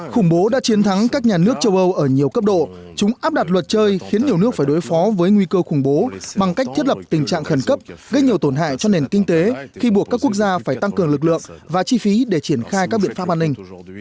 khủng bố đã chiến thắng các nhà nước châu âu ở nhiều cấp độ chúng áp đặt luật chơi khiến nhiều nước phải đối phó với nguy cơ khủng bố bằng cách thiết lập tình trạng khẩn cấp gây nhiều tổn hại cho nền kinh tế khi buộc các quốc gia phải tăng cường lực lượng và chi phí để triển khai các biện pháp an ninh